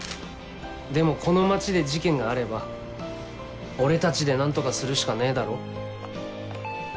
でもこの町で事件があれば俺たちで何とかするしかねえだろ。